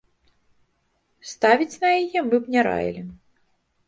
Ставіць на яе мы б не раілі.